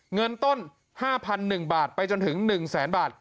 เงินต้น๕๐๐๑บาทไปจนถึง๑๐๐๐๐๐บาท